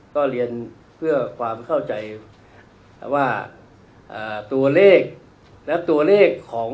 ก็เรียนเพื่อความเข้าใจว่าตัวเลขและตัวเลขของ